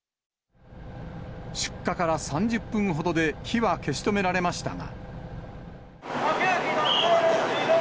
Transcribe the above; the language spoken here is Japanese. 出火から３０分ほどで火は消し止められましたが。